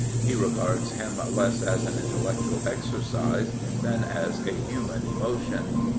He regards him less as an intellectual exercise than as a human emotion.